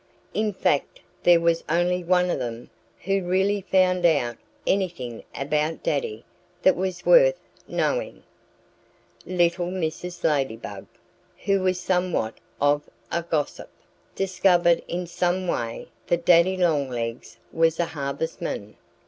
In fact there was only one of them who really found out anything about Daddy that was worth knowing. Little Mrs. Ladybug, who was somewhat of a gossip, discovered in some way that Daddy Longlegs was a harvestman.